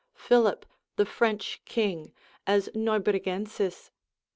Philip the French king, as Neubrigensis, lib.